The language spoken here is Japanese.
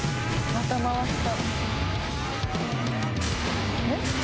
また回した。